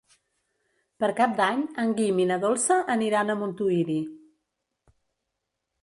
Per Cap d'Any en Guim i na Dolça aniran a Montuïri.